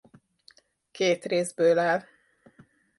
Két részből áll.